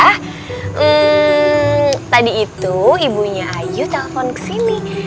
hmm tadi itu ibunya ayu telpon ke sini